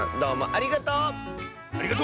ありがとう！